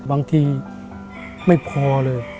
บางทีไม่พอเลย